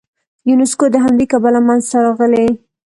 یونسکو د همدې کبله منځته راغلی.